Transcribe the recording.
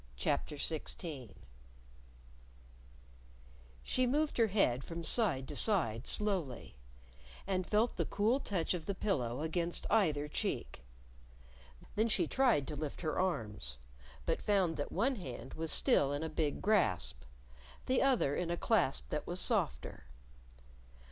CHAPTER XVI She moved her head from side to side slowly. And felt the cool touch of the pillow against either cheek. Then she tried to lift her arms; but found that one hand was still in a big grasp, the other in a clasp that was softer.